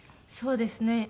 そうですね。